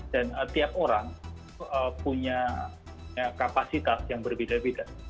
tiap orang punya kapasitas yang berbeda beda